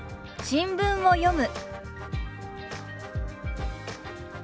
「新聞を読む」。